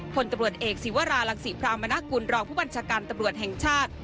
ผลตำรวจเอกศิวรารังศรีพรามณกุลรองผู้บัญชาการตำรวจแห่งชาติ